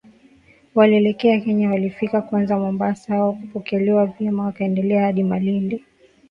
Walielekea Kenya walifika kwanza Mombasa hawakupokelewa vema wakaendelea hadi Malindi